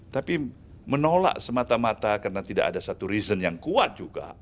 tapi menolak semata mata karena tidak ada satu reason yang kuat juga